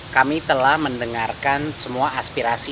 kami telah mendengarkan semua aspirasi